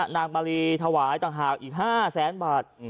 นางบารีถวายต่างหากอีก๕๐๐๐๐๐บาท